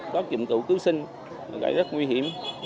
có dụng cụ cứu sinh rất nguy hiểm